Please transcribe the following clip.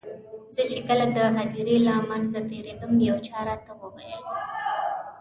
زه چې کله د هدیرې له منځه تېرېدم یو چا راته وویل.